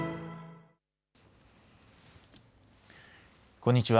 こんにちは。